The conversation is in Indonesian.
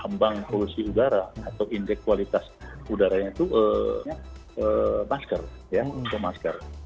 ambang polusi udara atau indeks kualitas udaranya itu masker